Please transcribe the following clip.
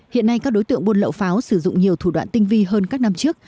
hiện nay các đối tượng buôn lậu pháo sử dụng nhiều thủ đoạn tinh vi hơn các năm trước